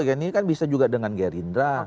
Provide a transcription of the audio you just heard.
ini kan bisa juga dengan gerindra